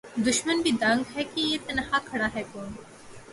دُشمن بھی دنگ ہے کہ یہ تنہا کھڑا ہے کون